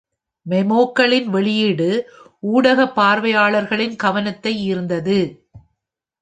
மெமோக்களின் வெளியீடு ஊடக பார்வையாளர்களின் கவனத்தை ஈர்த்தது.